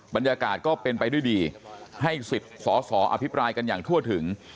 บรรยากาศก็เป็นไปด้วยดีให้สิทธิ์สอสออภิปรายกันอย่างทั่วถึง